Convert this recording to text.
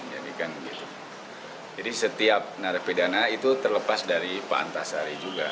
jadi setiap narapidana itu terlepas dari pak antasari juga